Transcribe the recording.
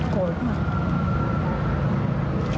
โกรธ